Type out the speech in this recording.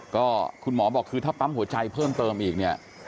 ก็คุณหมอบอกคือถ้าปั๊มหัวใจเพิ่มเติมอีกเนี่ย